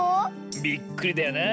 びっくりだよなあ。